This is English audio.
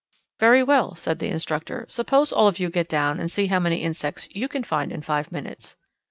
"Very well," said the instructor, "suppose all of you get down and see how many insects you can find in five minutes."